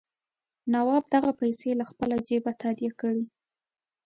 نواب دغه پیسې له خپله جېبه تادیه کړي.